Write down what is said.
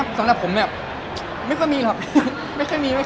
มุมโรแมติกผมเหรอสำหรับผมแบบไม่ค่อยมีหรอก